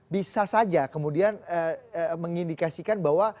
bisa saja kemudian mengindikasikan bahwa